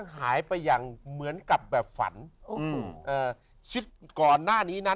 หายไปอย่างเหมือนกับแบบฝันอืมเอ่อชิดก่อนหน้านี้นะ